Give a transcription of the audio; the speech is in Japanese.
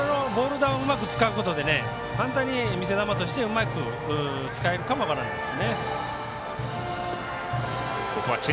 球うまく使うことで簡単に見せ球としてうまく使えるかも分からないです。